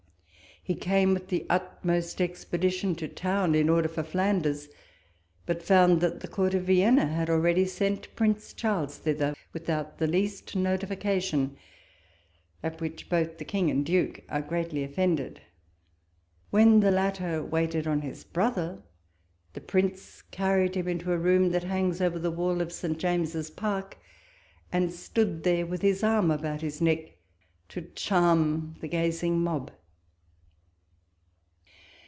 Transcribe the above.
He came with the utmost expedition to town, in order for Flanders ; but found that the Court of Vienna had already sent Prince Charles thither, without the least notification, at which both King and Duke are greatly offended. When the la, tter waited on his brother, the Prince carried him into a room that hangs over the wall of St. James's Park, and stood there with his arm about his neck, to charm the gazing mob.